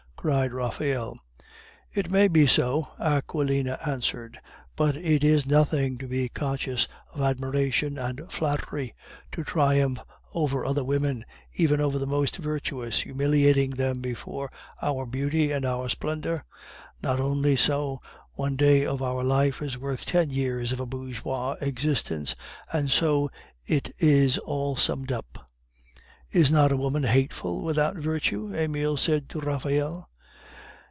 cried Raphael. "It may be so," Aquilina answered; "but is it nothing to be conscious of admiration and flattery; to triumph over other women, even over the most virtuous, humiliating them before our beauty and our splendor? Not only so; one day of our life is worth ten years of a bourgeoise existence, and so it is all summed up." "Is not a woman hateful without virtue?" Emile said to Raphael.